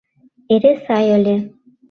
Эре сай ыле.